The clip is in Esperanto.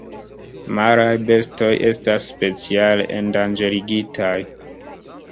Maraj bestoj estas speciale endanĝerigitaj.